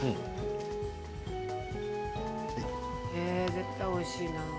絶対においしいな。